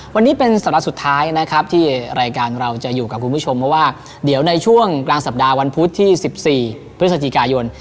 วันนี้เป็นสัปดาห์สุดท้ายนะครับที่รายการเราจะอยู่กับคุณผู้ชมเพราะว่าเดี๋ยวในช่วงกลางสัปดาห์วันพุธที่๑๔พฤศจิกายน